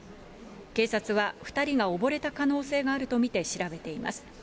警察は、２人が溺れた可能性があると見て調べています。